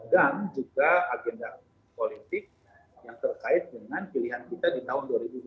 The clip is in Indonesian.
dan juga agenda politik yang terkait dengan pilihan kita di tahun dua ribu dua puluh empat